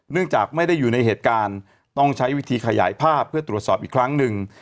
จากไม่ได้อยู่ในเหตุการณ์ต้องใช้วิธีขยายภาพเพื่อตรวจสอบอีกครั้งหนึ่ง